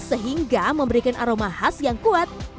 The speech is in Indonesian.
sehingga memberikan aroma khas yang kuat